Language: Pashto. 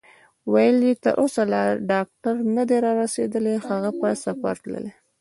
ویل یې: تر اوسه لا ډاکټر نه دی رارسېدلی، هغه په سفر تللی.